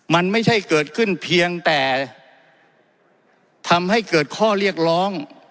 มันไม่ใช่เกิดขึ้นเพียงแต่ทำให้เกิดข้อเรียกร้อง